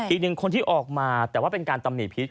อีกหนึ่งคนที่ออกมาแต่ว่าเป็นการตำหนิพิษ